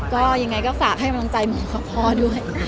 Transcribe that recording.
ก็ยังไงก็ฝากให้กำลังใจหมอกับพ่อด้วย